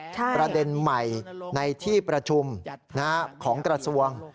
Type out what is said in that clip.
ประเด็นใหม่ในที่ประชุมของกระทรวง